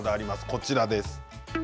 こちらです。